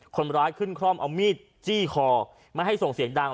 คนร้ายขึ้นคล่อมเอามีดจี้คอไม่ให้ส่งเสียงดัง